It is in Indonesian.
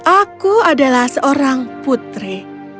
aku adalah seorang putri